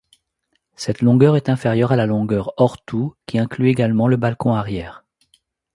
Cette longueur est inférieure à la longueur hors-tout qui inclut également le balcon arrière.